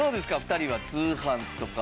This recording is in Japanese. ２人は通販とか。